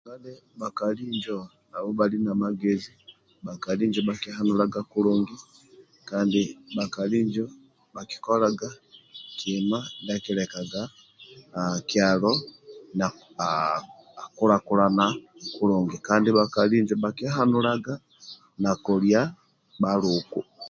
Bhakali njo nabho bhali na magezi bhakali njo bhakiganulaga kulungi kandi bhakali bhakikolaga kima ndia akilekaga kyalo akulakulana kandi bhakali njo bhakihanulqgq kolia bhaluku